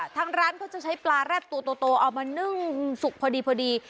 ทางร้านเขาจะใช้ปลาแร็ดตัวโตเอามานึ่งสุกพอดี